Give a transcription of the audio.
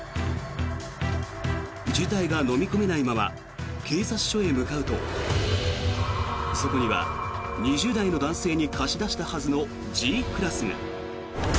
事態がのみ込めないまま警察署へ向かうとそこには２０代の男性に貸し出したはずのＧクラスが。